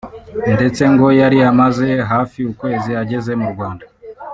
ndetse ngo yari amaze hafi ukwezi ageze mu Rwanda